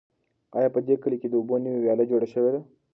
آیا په دې کلي کې د اوبو نوې ویاله جوړه شوې ده؟